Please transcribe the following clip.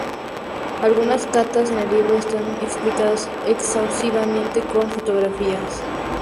Algunos "katas" en el libro está explicados exhaustivamente, con fotografías.